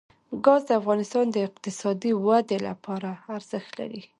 ګاز د افغانستان د اقتصادي ودې لپاره ارزښت لري.